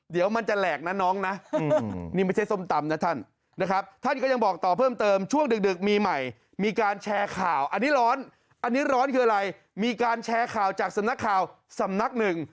เดี๋ยวมันจะแหลกนะน้องนะนี่ไม่ใช่สมตำนะท่าน